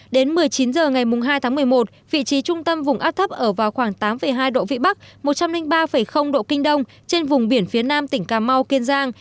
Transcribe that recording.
đến một mươi chín h ngày hai tháng một mươi một vị trí trung tâm vùng áp thấp ở vào khoảng tám hai độ vĩ bắc một trăm linh ba độ kinh đông trên vùng biển phía nam tỉnh cà mau kiên giang